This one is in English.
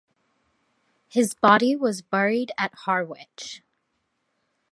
His body was buried at Harwich.